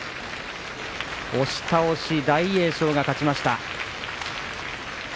押し倒し、大栄翔が勝ちました。